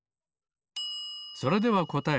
それではこたえ。